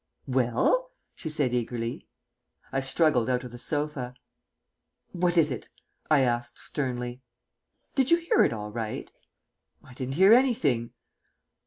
"Well?" she said eagerly. I struggled out of the sofa. "What is it?" I asked sternly. "Did you hear it all right?" "I didn't hear anything."